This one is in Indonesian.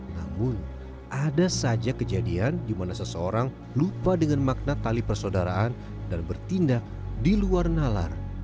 namun ada saja kejadian di mana seseorang lupa dengan makna tali persaudaraan dan bertindak di luar nalar